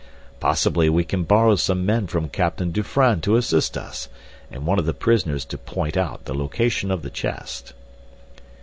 "Possibly we can borrow some men from Captain Dufranne to assist us, and one of the prisoners to point out the location of the chest."